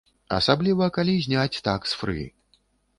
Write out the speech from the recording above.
Асабліва калі зняць такс-фры.